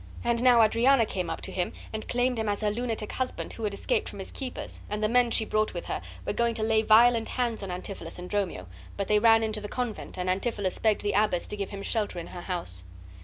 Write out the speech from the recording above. And now Adriana came up to him and claimed him as her lunatic husband who had escaped from his keepers, and the men she brought with her were going to lay violent hands on Antipholus and Dromio; but they ran into the convent, and Antipholus begged the abbess to give him shelter in her house.